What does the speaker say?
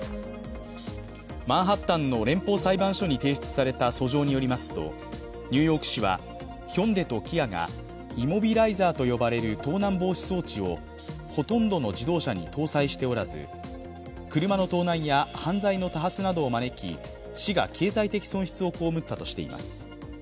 マンハッタンの連邦裁判所に提出された訴状によりますとニューヨーク市はヒョンデとキアがイモビライザーと呼ばれる盗難防止装置をほとんどの自動車に搭載しておらず、車の盗難や犯罪の多発などを招き市が経済的損失を被ったとしています。